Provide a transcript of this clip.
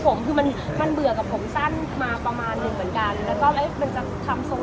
ผมคือมันเบื่อกับผมสั้นมาประมาณนึงเหมือนกัน